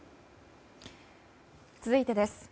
続いてです。